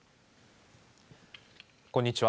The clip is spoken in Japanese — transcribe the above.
こんにちは。